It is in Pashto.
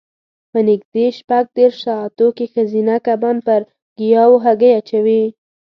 په نږدې شپږ دېرش ساعتو کې ښځینه کبان پر ګیاوو هګۍ اچوي.